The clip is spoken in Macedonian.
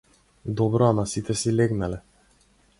Добро ама сите си легнале.